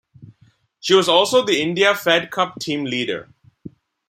She was also the India Fed Cup Team leader.